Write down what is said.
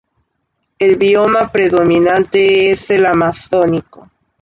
El bioma predominante es el amazónico.